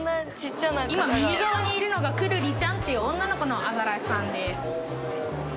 今右側にいるのがくるりちゃんっていう女の子のアザラシさんです。